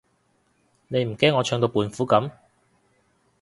你唔驚我唱到胖虎噉？